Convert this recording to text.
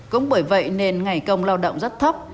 cũng bởi vậy nền ngày công lao động rất thấp